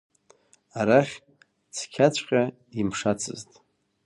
Арахь цқьаҵәҟьа имшацызт.